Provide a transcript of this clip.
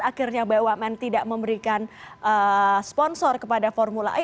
akhirnya bumn tidak memberikan sponsor kepada formula e